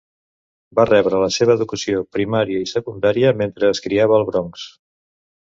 Va rebre la seva educació primària i secundària mentre es criava al Bronx.